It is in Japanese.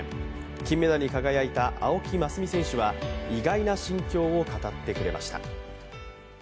金メダルに輝いた青木益未選手は意外な心境を語ってくれました。